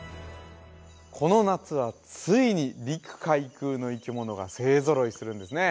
この夏はついに陸海空の生き物が勢揃いするんですね